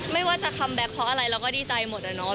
ไม่ว่าจะคัมแบ็คเพราะอะไรเราก็ดีใจหมดอะเนาะ